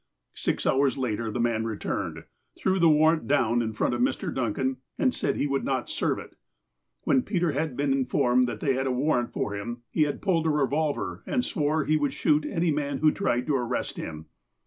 Six hours later, the man returned, threw the warrant down in front of Mr. Duncan, and said he would not serve it. When Peter had been informed that they had a warrant for him, he had pulled a revolver, and swore that he would shoot any man who tried to arrest him.